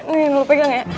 nih lu pegang ya